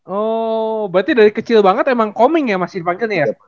oh berarti dari kecil banget emang koming ya masih dipanggilnya ya